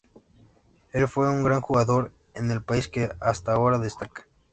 Él fue un gran jugador en el país que hasta ahora destaca.